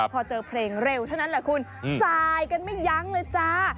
พอเจอเพลงเร็วเท่านั้นแหละคุณสายกันไม่ยั้งเลยจ้า